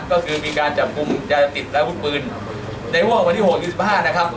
ก็คือมีการจำคุมยาสติดและวุฒิปืนในห้วงวันที่หกสิบห้านะครับ